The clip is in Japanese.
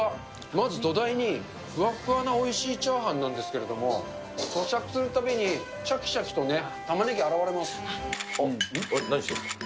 まず土台に、ふわっふわのおいしいチャーハンなんですけれども、そしゃくするたびに、しゃきしゃきとね、何してるんですか？